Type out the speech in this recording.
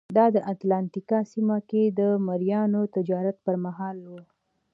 دا د اتلانتیک سیمه کې د مریانو تجارت پرمهال وه.